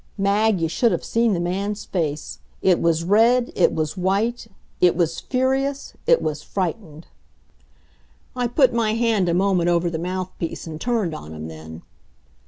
Mag, you should have seen the man's face! It was red, it was white; it was furious, it was frightened. I put my hand a moment over the mouthpiece and turned on him then.